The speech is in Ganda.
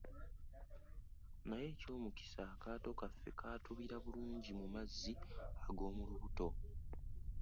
Naye eky'omukisa akaato kaffe kaatubira bulungi mu mazzi ag'omu lubuto.